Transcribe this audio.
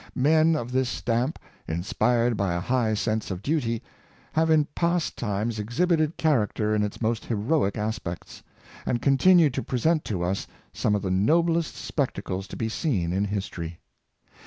Men of this stamp, inspired by a high sense of duty, have in past times exhibited character in its most heroic aspects, and continue to present to us some of the nob lest spectacles to be seen in history.